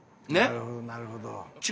なるほどなるほど。